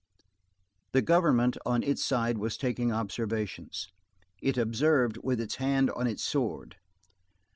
The Government, on its side, was taking observations. It observed with its hand on its sword.